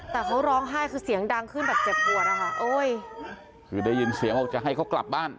แต่เขาร้องไห้คือเสียงดังขึ้นแบบเจ็บปวดอะค่ะโอ้ยคือได้ยินเสียงบอกจะให้เขากลับบ้าน